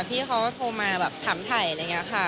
พี่เขาก็โทรมาแบบถามถ่ายอะไรอย่างนี้ค่ะ